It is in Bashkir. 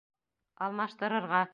Алмаштырырға!